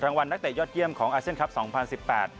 วันนักเตะยอดเยี่ยมของอาเซียนครับสองพันสิบแปด